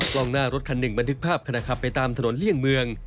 กล้องหน้ารถคันหนึ่งบันทึกภาพขณะขับไปตามถนนเลี่ยงเมือง